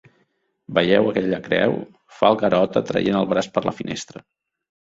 Veieu aquella creu? —fa el Garota, traient el braç per la finestreta.